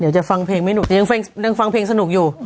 เดี๋ยวจะฟังเพลงไม่หนุกยังฟังเพลงสนุกอยู่